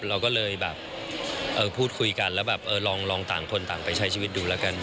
เราก็เลยแบบพูดคุยกันแล้วแบบลองต่างคนต่างไปใช้ชีวิตดูแล้วกัน